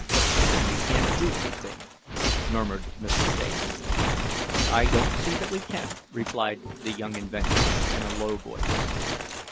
"Then we can't do anything," murmured Mr. Damon. "I don't see that we can," replied the young inventor in a low voice.